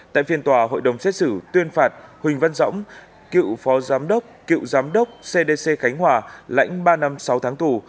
tại phiên tòa hội đồng xét xử tuyên phạt huỳnh văn dõng cựu phó giám đốc cựu giám đốc cdc khánh hòa lãnh ba năm sáu tháng tù